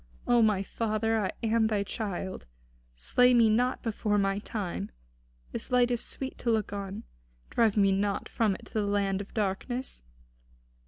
O my father, I am thy child; slay me not before my time. This light is sweet to look upon. Drive me not from it to the land of darkness.